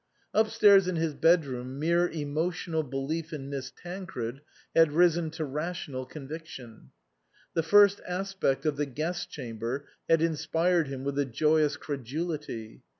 Upstairs in his bedroom mere emotional belief in Miss Tancred had risen to rational conviction. The first aspect of the guest chamber had in spired him with a joyous credulity.